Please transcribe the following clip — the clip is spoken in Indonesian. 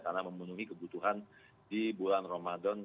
karena memenuhi kebutuhan di bulan ramadan